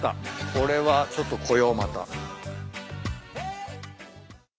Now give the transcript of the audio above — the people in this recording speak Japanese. これはちょっと来ようまた。